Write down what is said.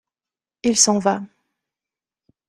Il s’en va.